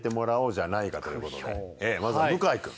まずは向井くん。